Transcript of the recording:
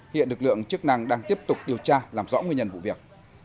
hiện lực lượng chức năng đang tiếp tục điều tra làm rõ nguyên nhân vụ việc